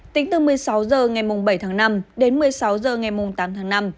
tính từ một mươi sáu h ngày bảy tháng năm đến một mươi sáu h ngày tám tháng năm